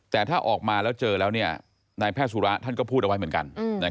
แต่ถ้าออกมาแล้วเจอแล้วนายแพทย์สุระท่านก็พูดเอาไว้เหมือนกัน